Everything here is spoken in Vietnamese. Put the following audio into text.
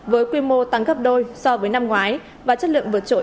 với quy mô tăng gấp đôi so với năm ngoái và chất lượng vượt trội